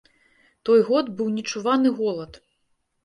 Той год быў нечуваны голад.